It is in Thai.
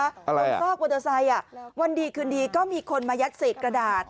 บรรยากาศหน่อยอ่ะวันดีคืนดีก็มีคนมายัดเสร็จกระดาษ